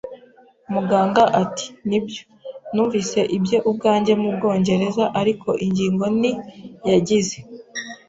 Muganga ati: "Nibyo, numvise ibye ubwanjye, mu Bwongereza". “Ariko ingingo ni, yagize